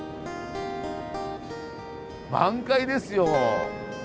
満開ですよ。